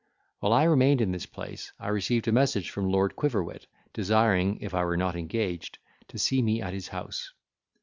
While I remained in this place, I received a message from Lord Quiverwit, desiring, if I were not engaged, to see me at his house.